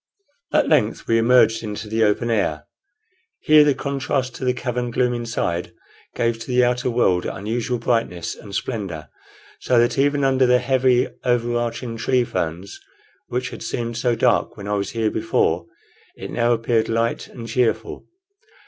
At length we emerged into the open air. Here the contrast to the cavern gloom inside gave to the outer world unusual brightness and splendor, so that even under the heavy overarching tree ferns, which had seemed so dark when I was here before, it now appeared light and cheerful.